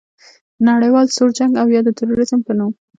د نړیوال سوړ جنګ او یا د تروریزم په نوم